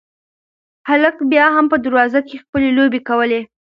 هلک بیا هم په دروازه کې خپلې لوبې کولې.